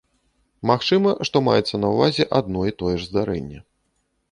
Магчыма, што маецца на ўвазе адно і тое ж здарэнне.